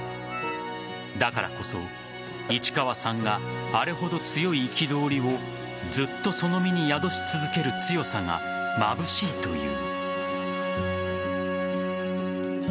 だからこそ、市川さんがあれほど強い憤りをずっとその身に宿し続ける強さがまぶしいという。